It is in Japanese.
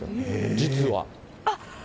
実は。